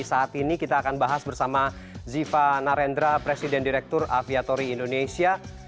saat ini kita akan bahas bersama ziva narendra presiden direktur aviatori indonesia